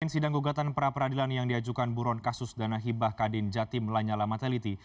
sidang gugatan perapradilan yang diajukan buron kasus danahibah kadin jatim lanyala mataliti